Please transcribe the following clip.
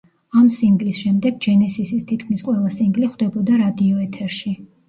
ამ სინგლის შემდეგ ჯენესისის თითქმის ყველა სინგლი ხვდებოდა რადიოეთერში.